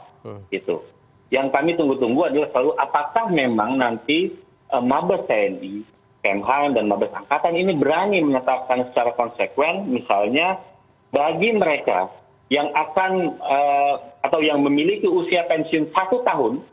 jadi ini adalah hal yang kami tunggu tunggu adalah selalu apakah memang nanti mabes tni pmh dan mabes angkatan ini berani menetapkan secara konsekuen misalnya bagi mereka yang akan atau yang memiliki usia pensiun satu tahun